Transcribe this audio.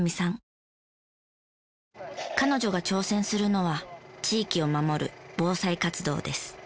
彼女が挑戦するのは地域を守る防災活動です。